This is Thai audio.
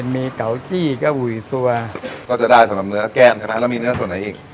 มีเกาจี้ก็หุยซัวก็จะได้สำหรับเนื้อแก้มใช่ไหมแล้วมีเนื้อส่วนไหนอีก